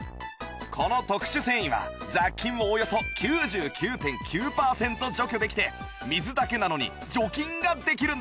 この特殊繊維は雑菌をおよそ ９９．９ パーセント除去できて水だけなのに除菌ができるんです